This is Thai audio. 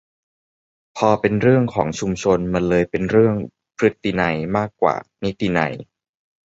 พอเป็นเรื่องของชุมชน มันเลยเป็นเรื่อง"พฤตินัย"มากกว่านิตินัย